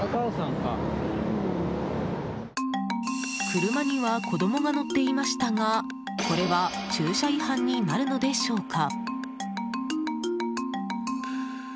車には子供が乗っていましたがこれは駐車違反になるのでしょうか？